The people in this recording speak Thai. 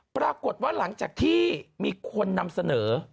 ปรากฏว่าหลังจากที่มีคนนำเสนอ